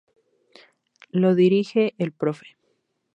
Lo dirige el Prof.